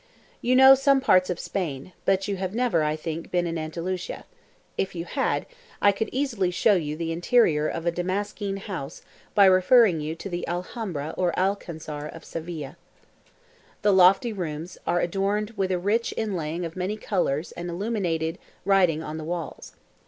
You know some parts of Spain, but you have never, I think, been in Andalusia: if you had, I could easily show you the interior of a Damascene house by referring you to the Alhambra or Alcanzar of Seville. The lofty rooms are adorned with a rich inlaying of many colours and illuminated writing on the walls.